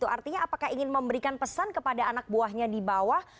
artinya apakah ingin memberikan pesan kepada anak buahnya di bawah